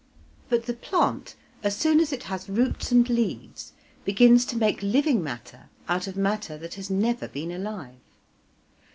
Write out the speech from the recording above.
But the plant as soon as it has roots and leaves begins to make living matter out of matter that has never been alive.